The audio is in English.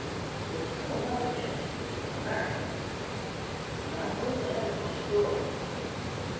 There was still another guest, an American — but I am a little ahead of my story.